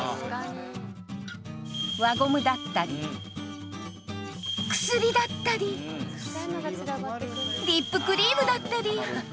輪ゴムだったり薬だったりリップクリームだったり